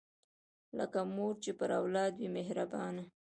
لکه مور چې پر اولاد وي مهربانه